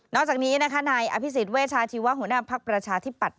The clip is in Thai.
จากนี้นะคะนายอภิษฎเวชาชีวะหัวหน้าภักดิ์ประชาธิปัตย